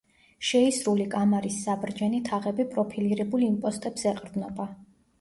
შეისრული კამარის საბრჯენი თაღები პროფილირებულ იმპოსტებს ეყრდნობა.